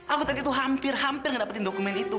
aku tadi tuh hampir hampir ngedapetin dokumen itu